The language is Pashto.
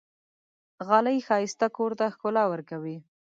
غالۍ ښایسته کور ته ښکلا ورکوي.